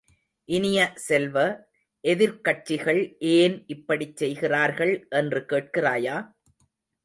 இனிய செல்வ, எதிர்க்கட்சிகள் ஏன் இப்படிச் செய்கிறார்கள் என்று கேட்கிறாயா?